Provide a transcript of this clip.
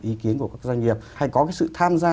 ý kiến của các doanh nghiệp hay có cái sự tham gia